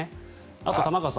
あと、玉川さん